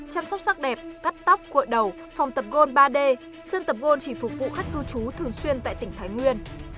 chăm sóc sắc đẹp cắt tóc gội đầu phòng tập gôn ba d sân tập gôn chỉ phục vụ khách cư trú thường xuyên tại tỉnh thái nguyên